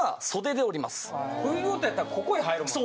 首元やったらここへ入るもんね。